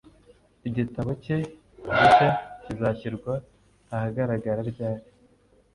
Igitabo cye gishya kizashyirwa ahagaragara ryari